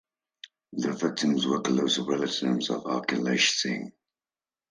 The victims were close relatives of Akhilesh Singh.